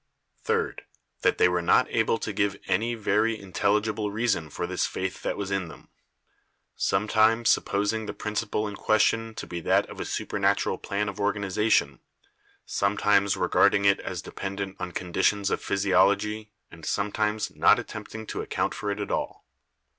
Third, that they were not able to give any very intelligible reason for this faith that was in them ; sometimes suppos ing the principle in question to be that of a supernatural plan of organization, sometimes regarding it as dependent on conditions of physiology and sometimes not attempting to account for it at all.